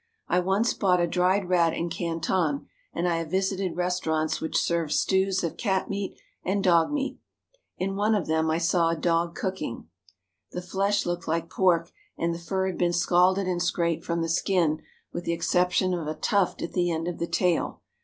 I once bought a dried rat in Canton, and I have visited restaurants which served stews of cat meat and dog meat. In one of them I saw a dog cooking. 128 THE GOVERNMENT AND THE SCHOOLS The flesh looked like pork, and the fur had been scalded and scraped from the skin, with the exception of a tuft at the end of the tail.